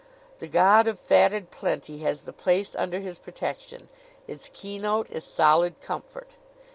The god of fatted plenty has the place under his protection. Its keynote is solid comfort.